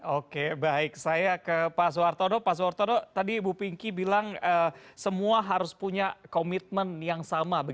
oke baik saya ke pak soehartodo pak soehartodo tadi ibu pinky bilang semua harus punya komitmen yang sama